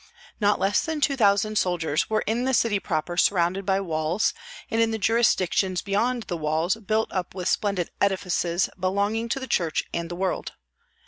Not less than two thousand soldiers were in the city proper surrounded by walls, and in the jurisdictions beyond the walls built up with splendid edifices belonging to the church and the world.